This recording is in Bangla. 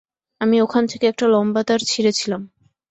আমি ওখান থেকে একটা লম্বা তার ছিঁড়েছিলাম।